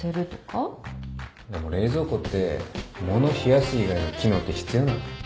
でも冷蔵庫って物冷やす以外の機能って必要なん？